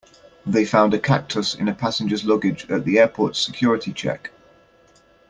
They found a cactus in a passenger's luggage at the airport's security check.